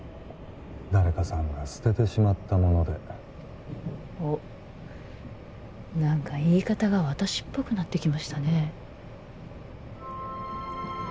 誰かさんが捨ててしまったものでおっ何か言い方が私っぽくなってきましたね